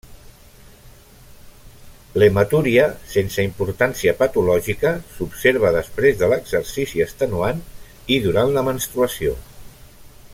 L'hematúria sense importància patològica s'observa després de l'exercici extenuant i durant la menstruació.